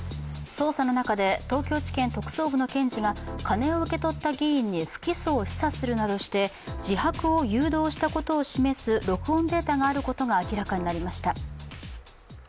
捜査の中で東京地検特捜部の検事が金を受け取った議員に不起訴を示唆するなどして自白を誘導したことを示す録音データがあることが明らかになりました。